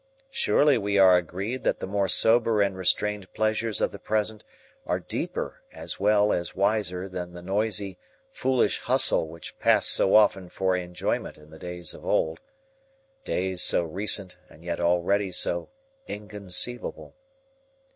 Surely we are agreed that the more sober and restrained pleasures of the present are deeper as well as wiser than the noisy, foolish hustle which passed so often for enjoyment in the days of old days so recent and yet already so inconceivable.